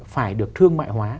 phải được thương mại hóa